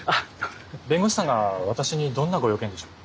弁護士さんが私にどんなご用件でしょう？